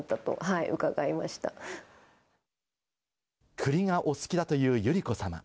栗がお好きだという百合子さま。